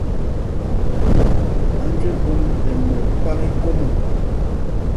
Anjeɓúm ɛ́ mot kpák íkom ɔ̂.